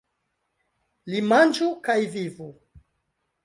Li manĝu kaj vivu!